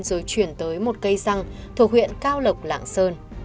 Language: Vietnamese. rồi chuyển tới một cây xăng thuộc huyện cao lộc lạng sơn